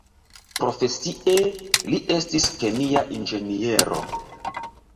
Profesie, li estis kemia inĝeniero.